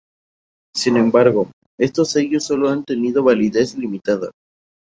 Sin embargo, estos sellos sólo han tenido validez limitada.